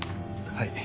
はい。